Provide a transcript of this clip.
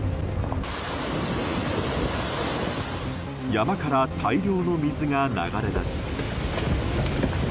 山から大量の水が流れ出し。